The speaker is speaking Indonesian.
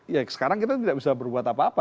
ya sekarang kita tidak bisa berbuat apa apa